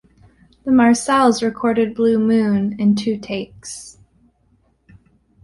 The Marcels recorded "Blue Moon" in two takes.